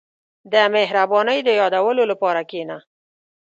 • د مهربانۍ د یادولو لپاره کښېنه.